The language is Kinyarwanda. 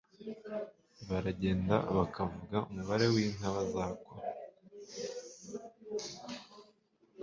Baragenda Bakavuga umubare w’inka bazakwa